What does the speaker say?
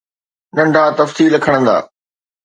ننڍا تفصيل کڻندا